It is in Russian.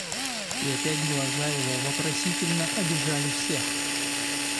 И опять глаза его вопросительно обежали всех.